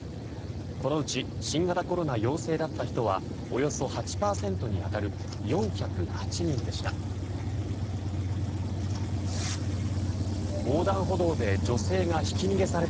このうち新型コロナ陽性だった人はおよそ８％に当たる４０８人でした。